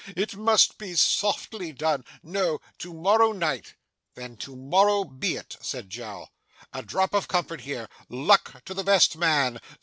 'It must be softly done. No, to morrow night.' 'Then to morrow be it,' said Jowl. 'A drop of comfort here. Luck to the best man!